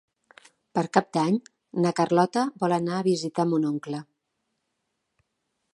Per Cap d'Any na Carlota vol anar a visitar mon oncle.